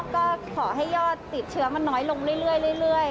ก็ขอให้ยอดติดเชื้อมันน้อยลงเรื่อย